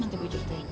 nanti gue cek deh